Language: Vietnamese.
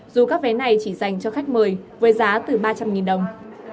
dù các vé này chỉ dành cho khách mời với giá từ ba trăm linh đồng